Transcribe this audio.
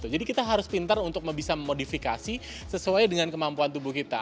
jadi kita harus pintar untuk bisa memodifikasi sesuai dengan kemampuan tubuh kita